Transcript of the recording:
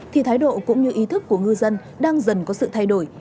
thì thái độ cũng như ý thức của ngư dân đang dần có sự thay đổi